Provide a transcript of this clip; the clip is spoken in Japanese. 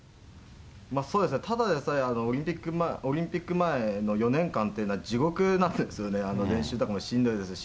そうですね、ただでさえ、オリンピック前の４年間というのは、地獄なんですよね、練習とかもしんどいですし。